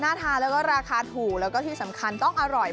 ทานแล้วก็ราคาถูกแล้วก็ที่สำคัญต้องอร่อย